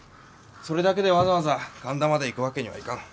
それだけでわざわざ神田まで行くわけにはいかん。